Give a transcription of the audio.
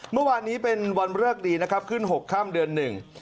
เมื่อวานนี้เป็นวันเริกดีขึ้น๖ครั้งเดือนหนึ่ง